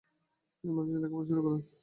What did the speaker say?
তিনি মাদ্রাসায় লেখাপড়া শুরু করেন।